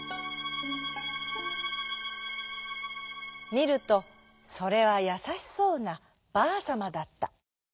みるとそれはやさしそうなばあさまだった。